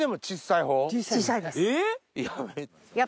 えっ！